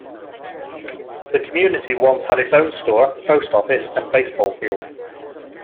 The community once had its own store, post office and baseball field.